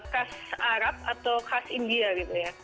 kas arab atau kas india gitu ya